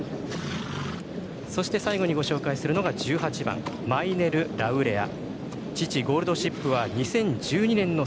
最後にご紹介するのが１８番マイネルラウレア。